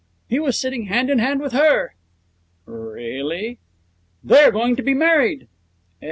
'He was sitting hand in hand with her.' 'Really?' 'They are going to be married.'